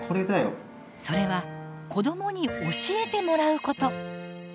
それは子どもに教えてもらうこと。